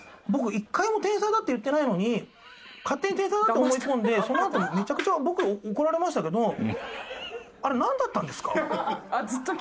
僕１回も「天才だ」って言ってないのに勝手に天才だって思い込んでそのあとめちゃくちゃ僕怒られましたけどあれなんだったんですか？